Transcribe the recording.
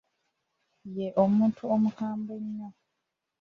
Ye muntu omukambwe ennyo.